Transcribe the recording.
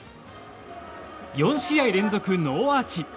４試合連続ノーアーチ。